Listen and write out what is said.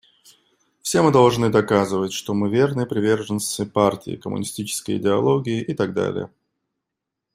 Все должны доказывать, что мы верные приверженцы партии, коммунистической идеологии и так далее.